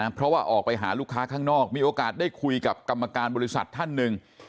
เพราะว่าออกไปหาลูกค้าข้างนอกมีโอกาสได้คุยกับกรรมการบริษัทท่านหนึ่ง